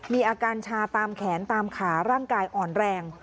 มีอาการชาตามแขนตามขาร่างกายอ่อนแรง